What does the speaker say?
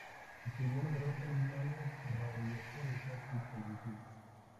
Escribió numerosos guiones radiofónicos y televisivos.